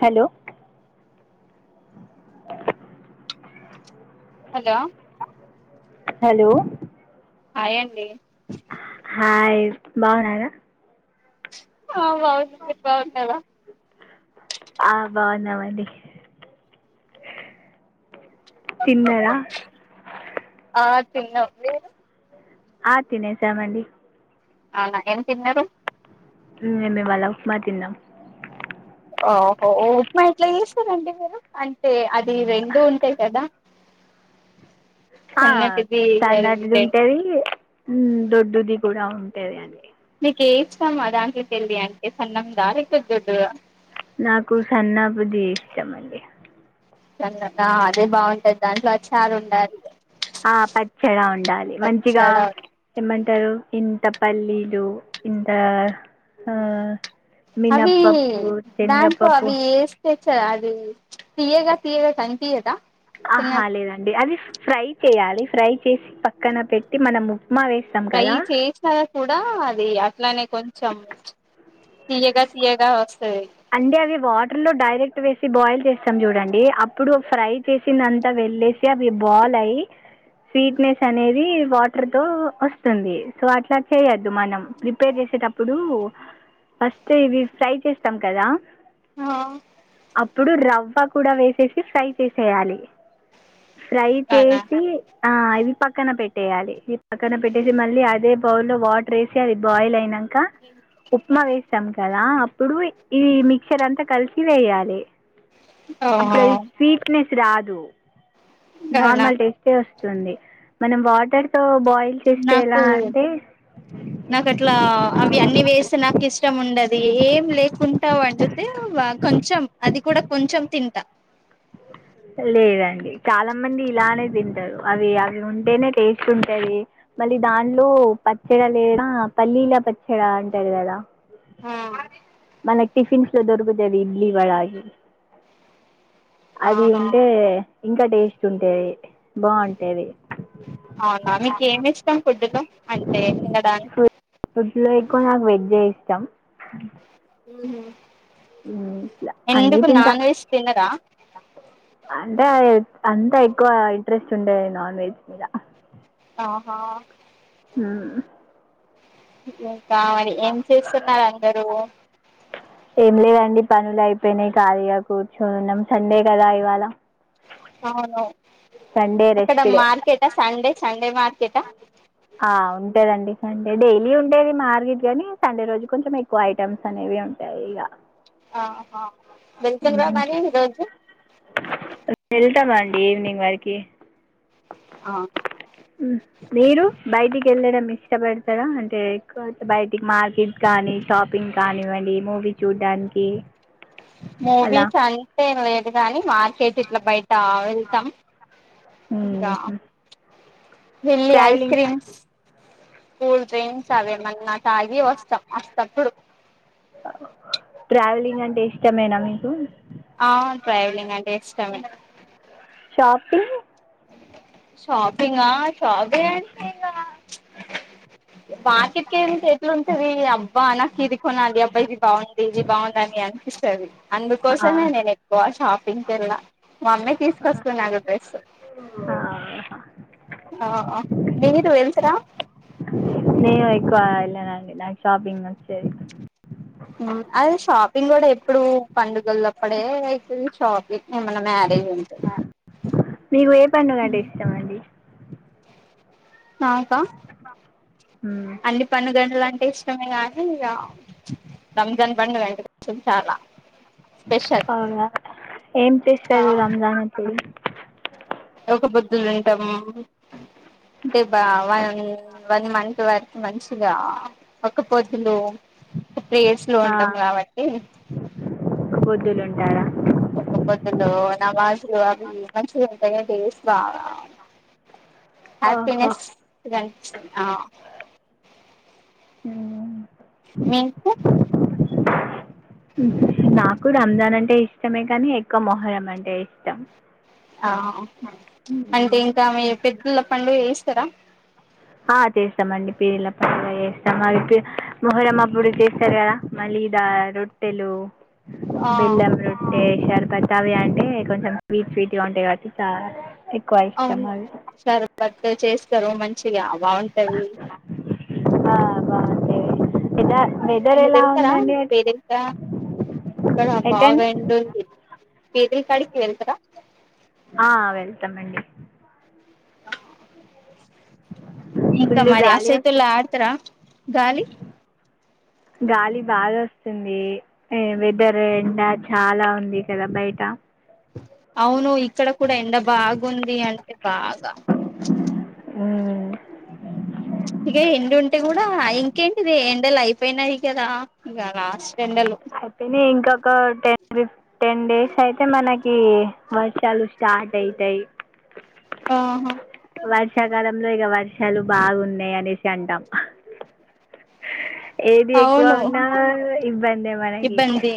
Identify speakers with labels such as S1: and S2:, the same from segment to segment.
S1: Hello
S2: hello
S1: hello
S2: hi అండి
S1: hi బావున్నారా
S2: ఆ బాగున్నా మీరు బాగున్నారా
S1: ఆ బాగున్నామండి తిన్నర
S2: ఆ తిన్నాం మీరు
S1: ఆ తినేసం మండి
S2: అవునా ఏం తిన్నరు
S1: మేము ఇవ్వాళ ఉప్మా తిన్నం
S2: ఓహోఓ ఉప్మా ఎట్లా చేస్తారండి మీరు అంటే అది రెండూ ఉంటాయి కదా
S1: ఆ
S2: సన్నటిది
S1: తల
S2: అది
S1: లాంటిది
S2: రెండు
S1: ఉంటది హ్మ్ దొడ్డుది కూడా ఉండేది అందుకే
S2: నీకే ఇష్టాం దాంట్లో తెలి అంటే సన్నం దారిపోదుదు
S1: నాకు సన్నాబుది ఇష్ట మండి
S2: దానికి కన్నా అదే బాగుంటది దాంట్లో అచ్చారు ఉండాలి
S1: ఆ పచ్చడా ఉండాలి. మంచిగా
S2: పచ్చడా ఉండాలి.
S1: ఏమ్ అంటారు ఇంత పల్లీలు ఇంత ఆ
S2: అవి
S1: మినప్పప్పు
S2: దాంట్లో
S1: శనగపప్పు
S2: అవి ఏస్తే అది తీయ్యగా తీయ్యగా కనిపియదా చిన్న
S1: ఆహా లేదండి అది ఫ్రై చేయాలి ఫ్రై చేసి పక్కన పెట్టి మనము
S2: ప్రై చేేసినా కూడా అది అట్లానే కొంచం తియ్యగా తీయ్యగా వస్
S1: అంటే అవి వాటర్ లో డైరెక్ట్. పట్ట వేసి బాయిల్ చేస్తాం చూడండి. అప్పుడు ఫ్రై చేసింది అంతా వెళ్ళేసి అవి బాయిల్ అయ్యి స్వీట్నెస్ అనేది వాటర్తో వస్తుంది. సో అట్లా చేయొద్దు మనం ప్రిపేర్ చేసేటప్పుడు ఫస్ట్. చేస్తే ఇది ఫ్రై చేస్ కదా!
S2: ఆ
S1: ఇప్పుడు రవ్వ కూడా వేసేసి ఫ్రై చేసేయాలి. ఫ్రై
S2: అలా
S1: చేసి. ఆ ఇది పక్కన పెట్టేయాలి. ఈ పక్కన పెట్టేసి మళ్ళీ అదే బౌల్లో వాటర్ యేసి అది బాయిల్ అయిన్నాక. ఇంకా ఉప్మా వేసామ్ కదా అప్పుడు. ఇప్పుడు ఇది మిక్చర్ అంతా కలిసి వేయాలి.
S2: ఓహో
S1: అప్పుడది స్వీట్నెస్. రాదు.
S2: అవునా
S1: నార్మల్ టేస్టే వ అండి. మనం వాటర్ తో
S2: నాకు నాకు అట్లా అవి అన్నీ వేసి నాకి ఇష్టం ఉ ఉండది ఏం లేకుంటా వండు. తే కొంచెం అది కూడా కొంచెం తింటా
S1: లేదండి. చాలా మంది ఇలానే తింటారు. అవి అవి ఉంటేనే టేస్ట్ ఉంటది. మళ్ళీ దాంట్లో పచ్చడి లేదా పల్లీల పచ్చడి అంటారు కదా. మన టిఫిన్. చ దర్గగది ఇడ్లీ వడాయి.
S2: ఆహా
S1: తింటే ఇంకా టేస్ట్ ఉంటది. బావుంటది.
S2: అవునా మీకు ఏమి ఇష్టం ఫుడ్ లో అంటే తినడానికి
S1: ఫుడ్లో ఎక్కువ నాకు వెజ్ తం
S2: మ్మ్
S1: ఇట్లా అన్నీ తింటా
S2: వెజ్ తినరా
S1: అంటే అంత ఎక్కువ ఇంట్రెస్ట్ ఉండదు నాన్ వెజ్ మీద
S2: ఆహ
S1: మ్మ్
S2: రిప్లైయ్ బాడిగ ఎంత ఇస్తున్నారండి మివు
S1: ఏం లేదండి పన్లు అయిపోయినాయ్ ఖాళీగా కూర్చొన్నాం సండే కదా ఇవాళ
S2: నాదె
S1: సండే
S2: అక్కడ
S1: రెస్ట్ డే
S2: మార్కెట్ట సండే సండే మార్కెటా
S1: ఆ ఉంటేదండి సండే డైలీ ఉంటేది మార్కెట్ గాని సండే రోజు కొంచెం ఎక్కువ ఐటెమ్స్ అనేవి ఉంటాయి ఇగ
S2: ఆహ ఆ బెల్చందరావు మారిదచ్చు
S1: వెళ్తామ్ అండి ఈవినింగ్ వరకి
S2: ఆ
S1: మీరు బయటికి వెళ్ళడం ఇష్టపడతారా అంటే ఎక్కువ బయటికి మార్కెట్ కానీ షాపింగ్ కానివ్వండి మూవీ చూడ్డానికి అలా
S2: మూవీస్ అంటే లేదు గానీ మార్కెట్ ఇట్లా బయట వెళ్తాం ఇక
S1: మ్మ్ హు
S2: వెళ్ళి ఐస్ క్రీమ్స్ కూల్ డ్రింక్స్ అవేమన్నా తాగి వస్తాం వస్తాం
S1: ట్రావెలింగ్ అంటే ఇష్టమేనా మీకు
S2: ఆ ట్రావెలింగ్ అంటే ఇష్టమే
S1: షాపింగ్
S2: షాపింగ్ ఆ షాపింగ్ అంటే ఇగా బార్కెట్కి ఎట్లు ఉంటంది అబ్బా నాకు ఇది కొనాలి అబ్బా ఇది బాగుంది ఇది బాగుంది అని అనిపిస్తది
S1: ఆ,
S2: అందుకోసమే నేను ఎక్కువ షాప్ పిన్ కేరళ మమ్మీ తీసుకొస్తున్నారు డ్రెస్సు
S1: ఆ హా
S2: ఆ మీరు ఎల్తరా
S1: నేను ఎక్కువ ఎళ్ళనండి నాకు షాపింగ్ నచ్చది
S2: మ్మ్ అది షాపింగ్ కూడ ఎప్పుడు పండుగుల అప్పుడే అయితది షాపింగ్ ఏమన్నా మ్యారేజ్ ఉంటే
S1: మీకు ఏ పండుగంటే ఇష్టం అండి
S2: నాకా
S1: ఉమ్,
S2: అన్ని పండుగలం టే ఇష్టమే గానీ ఇగ రంజాన్ పండుగ అంటే కొంచెం చాలా స్పెషల్
S1: అవునా ఏం
S2: ఆ
S1: చేస్తారు రంజాన్ కి
S2: ఒక్కపొద్దులు ఉంటం, అంటే బావన్ వన్ మంత్ వరకు మంచిగా ఒక్కపొద్దులు ప్రేయర్స్ లో ఉంటం
S1: ఆ,
S2: కాబట్టి
S1: ఎడా
S2: ఒక్కపొద్దులు నమాజులు అవి మంచిగా ఉంటాయి డేస్ బాగా
S1: ఆహా
S2: హ్యాపీనెస్ [unintelligible] ఆ
S1: హ్మ్ మ్మ్
S2: మీకు
S1: నాకు రంజాన్ అంటే ఇష్టమే కానీ, ఎక్కువ మొహరం అంటే ఇష్టం.
S2: ఆ అంటే ఇంకా మీ పెద్దుల పండుగ చేస్ తరా
S1: ఆ చేస్తామండి పీర్ల పండుగ చేస్తాం. అవి మొహర్రం అప్పుడు చేస్తరు కదా మలీదా, రొట్టెలు
S2: ఆ
S1: బెల్లం రొట్టె షార్ పత్తావి అంటే కొంచెం స్వీట్ స్వీట్ గా ఉంటాయి కాబట్టి చా ఎక్కువ ఇష్టం అవి
S2: చేస్తరు మంచిగా బాగుంటవి
S1: వాందే
S2: [unintelligible] ఇక్కడ బాగ
S1: ఎటండి
S2: ఎండ ఉంది కేదరి కాడికి వెళ్తర
S1: ఆ వెళ్తం అండి
S2: [unintelligible] ఇంక
S1: ఫుల్
S2: మరి
S1: గాలి వస్తుంది.
S2: అసైతుల్ల ఆడతార గాలి
S1: గాలి బాగా వస్తుంది వెదర్ ఎండ చాలా ఉంది కదా బయట
S2: అవును ఇక్కడ కూడ ఎండ బాగుంది అంటే బాగ
S1: హ్మ్
S2: ఇదే ఎండుంటే కూడా ఇంకేంటిది ఎండలు అయిపోయినాయి కదా ఇంగ లాస్ట్ ఎండలు
S1: ఒక టెన్ ఫిఫ్ టెన్ డేస్ అయితే మనకీ వర్షాలు స్టార్ట్ అయితయి
S2: ఆ హా
S1: వర్షాకాలం ఇందులో ఇక వర్షాలు బాగున్నాయి అనేసి అంటాం ఏది ఎక్కువ
S2: అవును
S1: ఉన్నా ఇబ్బందె మనకి
S2: ఇబ్బంది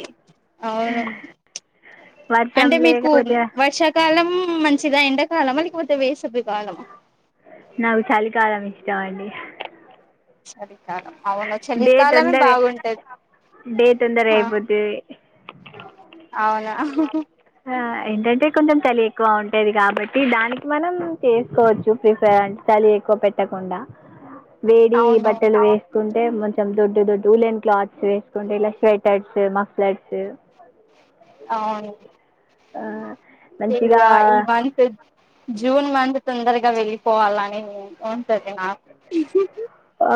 S2: అవును
S1: వర్షం
S2: అంటే మీకు
S1: లేకపోతే
S2: వర్షాకాలం మ్ మంచిగా ఎండాకాలమని కొద్ది వేసపే
S1: నావు చలికాలం ఇది చాన్ని
S2: చలికాలం అవును చలికాలమే
S1: తొందరగా
S2: బాగుంటది
S1: డే తొందరగా
S2: ఆ
S1: అయిపోతుంది
S2: అవునా హా హా
S1: ఆ, ఏంటంటే కొంచెం చలి ఎక్కువ ఉంటది కాబట్టి దానికి మనం చేసుకోవచ్చు ప్రిఫర్ చలి ఎక్కువ పెట్టకుండా వేడి
S2: అవును
S1: బట్టలు వే ఉంటే కొంచెం దొడ్డు దొడ్డు ఉలిన్ క్లాత్స్ వేసుకుంటే ఇలా స్వెటర్స్ మఫ్లర్స్
S2: అవును
S1: ఆ
S2: ఇంగ ఈ మంత్ జూన్ మంత్ తొందరగా వెళ్ళిపోవాలని ఉంటుది నాకు
S1: ఆ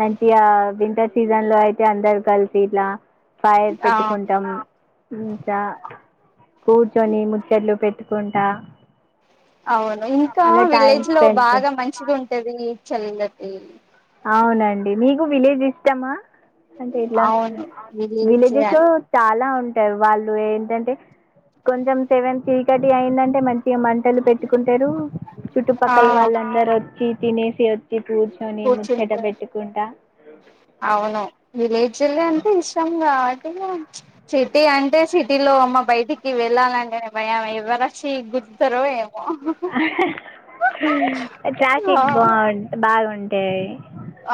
S1: మంచిగా వింటర్ సీజన్ లో అయితే అందరు కలిసి ఇట్లా ఫైర్
S2: ఆ
S1: పెట్టుకుంటాము ఇకా కూర్చొని ముచ్చట్లు పెట్టుకుంటా
S2: అవును ఇంకా
S1: అలా టైం
S2: విలేజ్ లో
S1: స్పెండ్ చే
S2: బాగా మంచిది ఉంటది చలే గట్టి
S1: అవునండి మీకు విలేజ్ ఇష్టమా అంటే ఇట్లా
S2: అవును విలేజ్
S1: విలేజెస్ లో
S2: అని
S1: చాలా ఉంట వాళ్ళు ఏంటంటే కొంచెం సెవెన్ చీకటి అయిందంటే మంచిగా మ ట్టలు పెట్టుకుంటారు
S2: ఆ
S1: చుట్టుపక్కల వాళ్ళందరు వచ్చి తినేసి కూర్చొని
S2: కూర్చుంటే
S1: పెట్టుకుంటా
S2: అవును విలేజ్ లో అంటే ఇష్టం కాబట్టి సిటీ అంటే సిటీలో అమ్మ బయటికి వెళ్ళాలంటే భయం ఎవర శ గుజ తరమ
S1: అంటే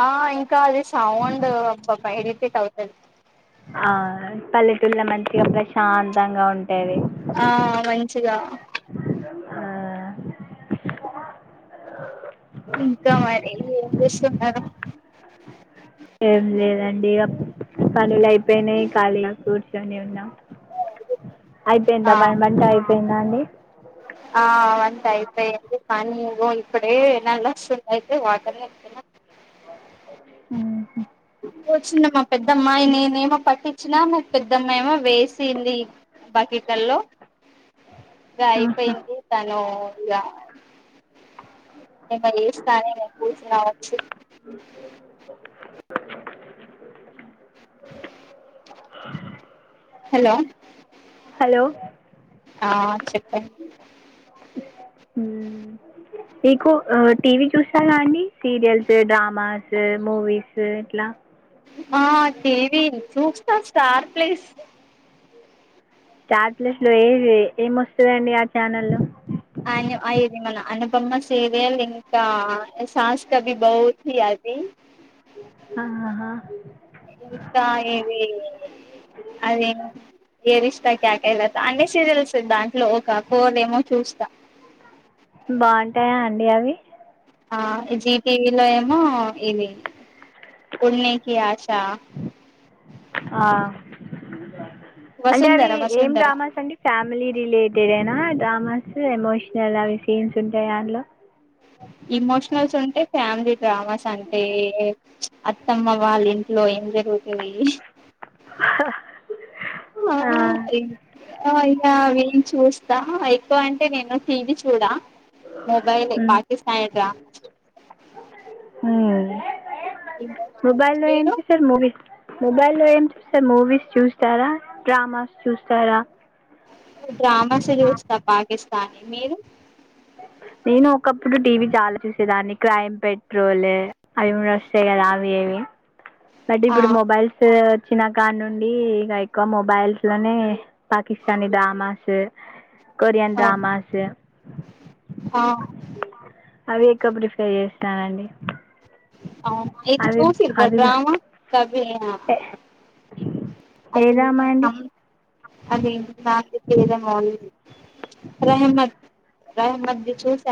S2: ఆ ఇంకా అది సౌండ్ పా ఎయిటీటీ థౌసండ్
S1: ఆ పల్లెటూళ్ల మంచిగా ప్రశాంతంగా ఉంటు
S2: ఆ మంచి ఇగా
S1: ఆ!
S2: ఇంకా మరి ఏం చేస్సున్నారు
S1: ఏం లేదండి అప్ పనులై పెనయ్ ఖాళీగ కూట్ చ్చని ఉన్నా అయితే ఎంత
S2: ఆ
S1: వన్ వంటయి పేందాండి
S2: ఆ వన్ టైపేయింది పని ఇగో ఇప్పుడే దాన్లోసునైతే వాటర్ నింపుతున
S1: ఊహు
S2: ద మై నేనేమో పట్టిచ్చినా మా పెద్దమ్మ ఏమో వేసింది బకిట్లల్లో గ
S1: ఆహా!
S2: అయిపేయింది తను ఇలా నిన్న చేస్తానే మేము కూర్చున్నా వచ్చు హలో
S1: హలో
S2: ఆ చెప్పండి
S1: మ్మ్ మీకు టీవీ చూస్తారా అండి సీరియల్స్, డ్రామాస్, మూవీస్ ఇట్లా,
S2: ఆ టీవి చూస్త తార్ ప్లెస్
S1: స్టార్ ప్లస్ లో ఏవి ఏమొస్తదండి ఆ ఛానల్లో
S2: అన్ అ ఇది మన అనుబమ్మ సీరియల్ ఇంకా శాస్త్రభిభౌతి అది
S1: ఆ హ
S2: ఇంకా ఏది అది ఏది ఇస్తా కేయాకయస్తా అన్ని సీరియల్స్ దాంట్లో ఒక కోర ఏమో చూస్తా,
S1: బాగుంటాయా అండి అవి
S2: ఆ జీ టివీలో ఏమో ఇవి ఉన్నికి ఆశా
S1: నువూత్తవా అంటే అవి ఏం
S2: వసుంధర
S1: డ్రామాస్ అండి ఫ్యామిలీ రిలేటెడ్ ఏనా డ్రామాస్ ఎమోషనల్ అవి సీన్స్ ఉంటయా దాంట్లో
S2: ఇమోషనల్స్ ఉంటే ఫ్యామిలీ డ్రామాస్ అంటే ప్చ్ అత్తమ్మ వాళ్ళ ఇంట్లో ఏం జరుగుతది
S1: హ హ
S2: మహా యావేం చూస్తా ఎక్కువ అంటే నేను టీవీ చూడా మొబైల్
S1: ఉమ్.
S2: పాకిస్తాయి ట రా
S1: అ మొబైల్ లో ఏం చూసారు మూవీస్ మొబైల్ లో ఏం చూస్తారు మూవీస్ చూస్తారా డ్రామాస్ చూస్తారా
S2: కానీ మీరు
S1: నేను ఒకప్పుడు టీవీ చాలా చూసేదాన్ని క్రైమ్ పెట్రోల్ అవి కూడా వస్తాయి కదా అవి ఇవి బట్
S2: ఆ
S1: ఇప్పుడు మొబైల్సు వచ్చిన కాడ నుండి ఇక ఎక్కువ మొబైల్స్ లోనే పాకిస్తానీ డ్రామాసు కొరియన్ డ్రామాసు
S2: ఆ
S1: అవి ఎక్కువ ప్రిఫేర్ చేస్తానండి.
S2: అవును ఇది
S1: అవి
S2: చూసిర్రా
S1: అవి
S2: డ్రామా వే
S1: ఏ
S2: అది
S1: డ్రామా అండి
S2: [unintelligible] అది [unintelligible]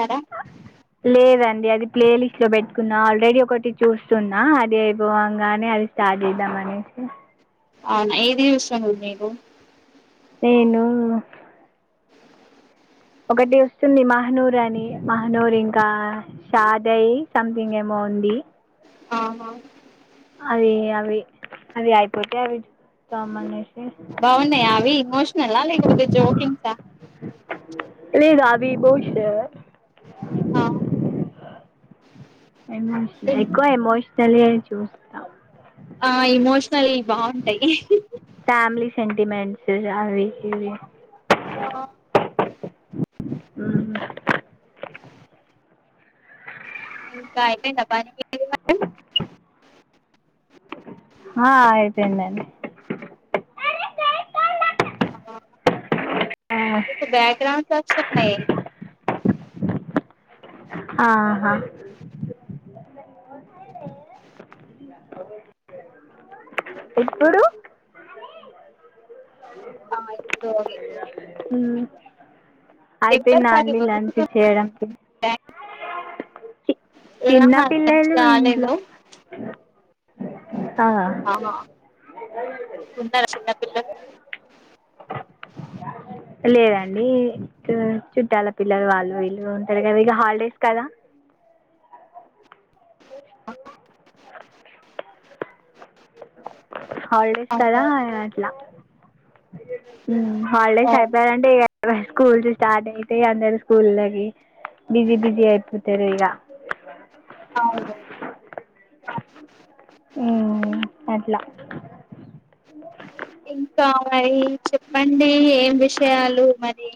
S1: లేదండి అది ప్లేలి దాంట్లో పెట్టుకున్న ఆల్రెడీ ఒకటి చూస్తున్నా అది అయిపోవంగానే అది స్టార్ట్ చేద్దాం అనేసి
S2: అవునా ఏది చూస్తుంరు మీరు
S1: నేను ఒకటి వస్తుంది మహనూర్ అని మహనూర్ ఇంకా షాదై సంథింగ్ ఏమో ఉంది
S2: ఆహా
S1: అవి అవి అవి అయిపోతే అవి చూస్తాం అనేసి
S2: బావున్నాయా అవి ఎమోషనలా లేకపోతే జోకింగ్సా
S1: విభూష
S2: ఆ
S1: ఏమోయ్ ఎక్కువ ఏమోయ్ తెలియచూస్త
S2: ఆ ఎమోషనల్వి బావుంటాయి
S1: ఫ్యామిలీ [unintelligible] ఊహూ
S2: ఇంక అయిపోయిందా పని
S1: ఆ అయిపోయిందండి
S2: [unintelligible] మీకు బ్యాక్ గ్రౌండ్స్ వస్తున్నాయి
S1: ఆహా ఇప్పుడు
S2: ఆ ఇప్పుడు ఓగే
S1: హ్మ్
S2: ఎవరు
S1: అయిపోయిందా
S2: అది
S1: అండి లంచ్ చేయడానికి చిన్న
S2: ఆహా లంచ్
S1: పిల్లలు ఇంట్లో
S2: కాలేదు
S1: ఆ
S2: ఆహా తున్నర చిన్న పిల్లలు
S1: లేదండి తు చుట్టాల పిల్లలు వాళ్ళు వీళ్ళు ఉంటరు కదా ఇగ హాల్డేస్ కదా హాల్డేస్ కదా
S2: అవును
S1: అట్లా మ్మ్ హాల్డేస్
S2: అవును
S1: ఐపోయాయంటే ఇగ స్కూల్సు స్టార్ట్ ఐతయిగ అందరి స్కూల్లకి బిజీ బిజీ అయిపోతరిగ
S2: అవును
S1: మ్మ్ అట్లా
S2: ఇంకా మరి చెప్పండి ఏం విషయాలు మరి